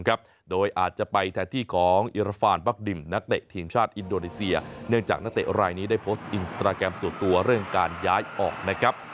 โดยอาจจะไปแทนที่ของอิราฟานบักดิมนักเตะทีมชาติอินโดนีเซียเนื่องจากนักเตะรายนี้ได้โพสต์อินสตราแกรมส่วนตัวเรื่องการย้ายออกนะครับ